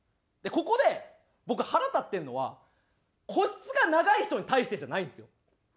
ここで僕腹立ってるのは個室が長い人に対してじゃないんですよ。